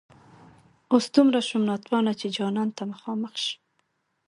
اوس دومره شوم ناتوانه چي جانان ته مخامخ شم